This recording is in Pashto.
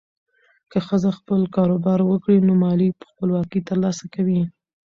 که ښځه خپل کاروبار وکړي، نو مالي خپلواکي ترلاسه کوي.